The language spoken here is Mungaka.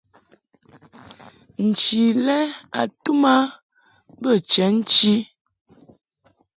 Nchi lɛ a tum a bə chenchi.